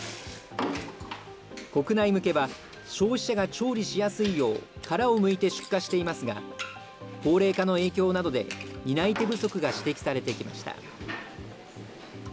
国内向けは、消費者が調理しやすいよう、殻をむいて出荷していますが、高齢化の影響などで、担い手不足が指摘されてきました。